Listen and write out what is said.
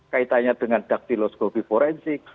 kaitannya dengan daktiloskopi forensik